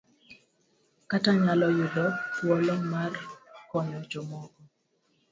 Kata nyalo yudo thuolo mar konyo jomoko.